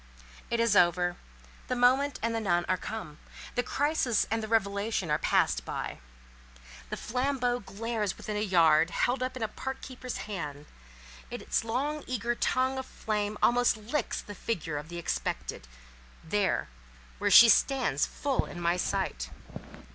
It is over. The moment and the nun are come. The crisis and the revelation are passed by. The flambeau glares still within a yard, held up in a park keeper's hand; its long eager tongue of flame almost licks the figure of the Expected—there—where she stands full in my sight.